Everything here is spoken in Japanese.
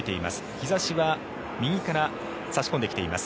日差しは右から差し込んできています。